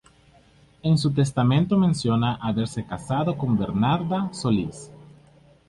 En su testamento menciona haberse casado con Bernarda Solís.